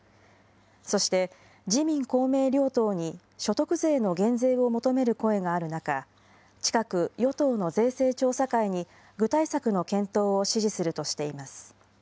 そして、自民、公明両党に所得税の減税を求める声がある中、近く、与党の税制調査会に具体策の検討を指示するとしています。